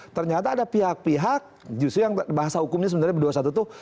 ternyata ada pihak pihak justru yang bahasa hukumnya sebenarnya berdua satu itu